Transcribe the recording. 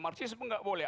marxismu nggak boleh